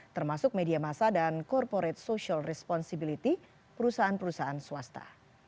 termasuk media masa dan corporate social responsibility perusahaan perusahaan swasta